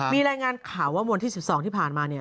มีรายงานข่าวว่าวันที่๑๒ที่ผ่านมาเนี่ย